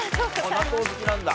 納豆好きなんだ。